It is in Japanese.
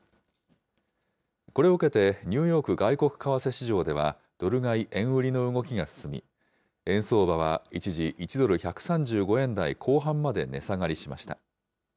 これを受けて、ニューヨーク外国為替市場では、ドル買い円売りの動きが進み、円相場は一時１ドル１３５円台後半まで値下がりしました。